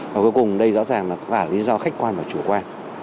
và cuối cùng đây rõ ràng là có phải là lý do khách quan và chủ quan